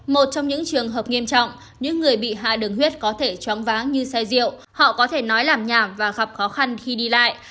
một trong những trường hợp nghiêm trọng những người bị hạ đường huyết có thể choáng váng như say rượu họ có thể nói làm nhà và gặp khó khăn khi đi lại